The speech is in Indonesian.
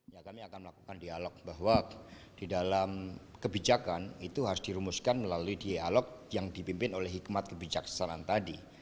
ya kami akan melakukan dialog bahwa di dalam kebijakan itu harus dirumuskan melalui dialog yang dipimpin oleh hikmat kebijaksanaan tadi